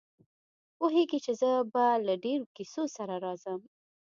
پوهېږي چې زه به له ډېرو کیسو سره راځم.